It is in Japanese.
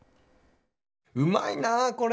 うまいな、これ。